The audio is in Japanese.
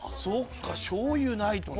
しょうゆないとね。